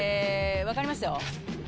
分かりますよ。